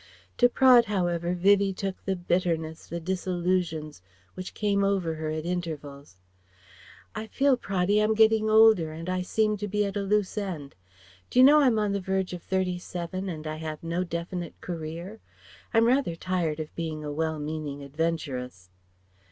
To Praed however Vivie took the bitterness, the disillusions which came over her at intervals: "I feel, Praddy, I'm getting older and I seem to be at a loose end. D'you know I'm on the verge of thirty seven and I have no definite career? I'm rather tired of being a well meaning adventuress."